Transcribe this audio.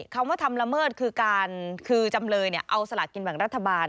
คำว่าทำละเมิดคือจำเลยเอาสลากกินบังรัฐบาล